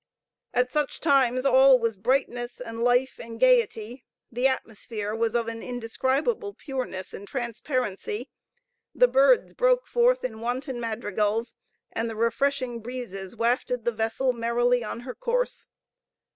As such times all was brightness, and life, and gayety; the atmosphere was of an indescribable pureness and transparency; the birds broke forth in wanton madrigals, and the freshening breezes wafted the vessel merrily on her course.